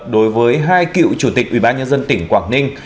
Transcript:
đối với hai cựu chủ tịch ubnd tỉnh quảng ninh